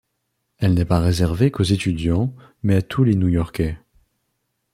Elle n'est pas réservée qu'aux étudiants, mais à tous les New Yorkais.